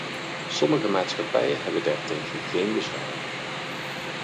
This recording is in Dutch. Sommige maatschappijen hebben daartegen geen bezwaar.